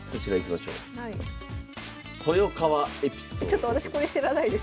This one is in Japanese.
ちょっと私これ知らないです。